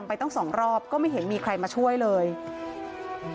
มีแต่เสียงตุ๊กแก่กลางคืนไม่กล้าเข้าห้องน้ำด้วยซ้ำ